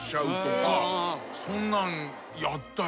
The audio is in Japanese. そんなんやったよ。